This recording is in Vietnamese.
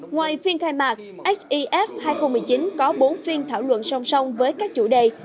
ngoài phiên khai mạc sef hai nghìn một mươi chín có bốn phiên thảo luận song song với các chủ đề